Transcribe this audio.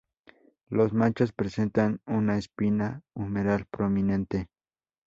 Los machos presentan una espina humeral prominente.